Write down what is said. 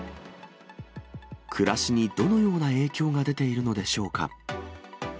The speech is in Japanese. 暮らしにどのような影響が出ているのでしょうか。